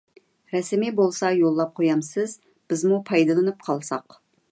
رەسىمى بولسا يوللاپ قويامسىز؟ بىزمۇ پايدىلىنىپ قالساق.